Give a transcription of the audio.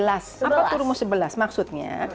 apa tuh rumus sebelas maksudnya